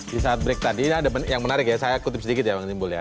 di saat break tadi ini ada yang menarik ya saya kutip sedikit ya bang timbul ya